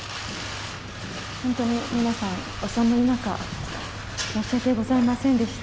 本当に皆さん、お寒い中、申し訳ございませんでした。